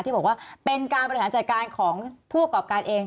ที่บอกว่าเป็นการบริหารจัดการของผู้ประกอบการเอง